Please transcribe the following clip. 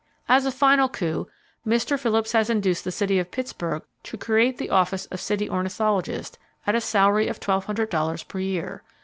As a final coup, Mr. Phillips has induced the city of Pittsburgh to create the office of City Ornithologist, at a salary of $1200 per year.